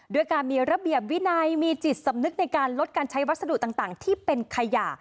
ด้วยการมีระเบียบวินัยมีจิตสำนึกในการลดการใช้วัสดุต่างที่เป็นขยะ